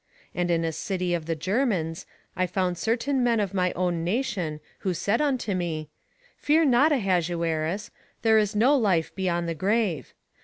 And in a city of the Germans, I found certain men of my own nation who said unto me: Fear not, Ahasuerus; there is no life beyond the grave.